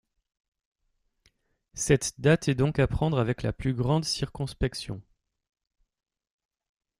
Cette date est donc à prendre avec la plus grande circonspection.